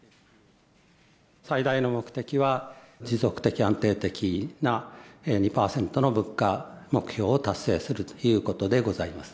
最大の目的は、持続的・安定的な２％の物価目標を達成するということでございます。